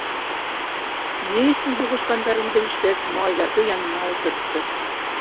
Ни өсөн һуғышҡандарын белешкәс, малайҙарҙы янына ултыртты.